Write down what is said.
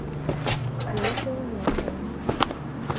刘声元人。